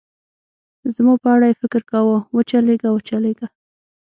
زما په اړه یې فکر کاوه، و چلېږه، و چلېږه.